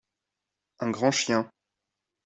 un grand chien.